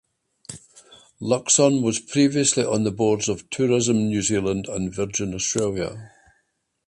Luxon was previously on the boards of Tourism New Zealand and Virgin Australia.